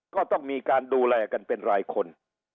ก็ต้องมีการดูแลกันเป็นรายคน